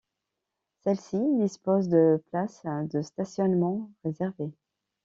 Celles-ci disposent de places de stationnement réservées.